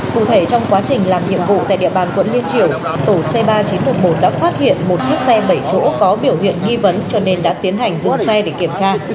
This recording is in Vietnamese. cụ thể trong quá trình làm nhiệm vụ tại địa bàn quận liên triều tổ c ba nghìn chín trăm một mươi một đã phát hiện một chiếc xe bảy chỗ có biểu hiện nghi vấn cho nên đã tiến hành rút xe để kiểm tra